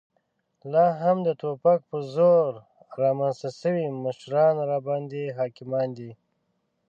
لا هم د توپک په زور رامنځته شوي مشران راباندې حاکمان دي.